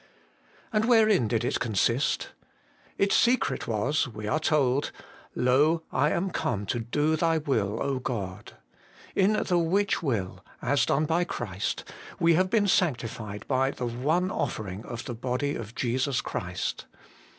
And wherein did it consist ? Its secret was, we are told :' Lo, I am come to do Thy will, O God.' ' In the which will,' as done by Christ, ' we have been sanctified by the one offering of the body of Jesus Christ.'